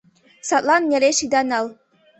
Садлан нелеш ида нал.